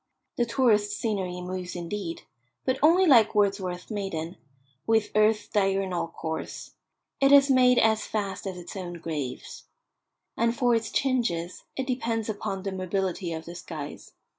The tourist's scenery moves indeed, but only like Wordsworth's maiden, with earth's diurnal course; it is made as fast as its own graves. And for its changes it depends upon the mobility of the skies.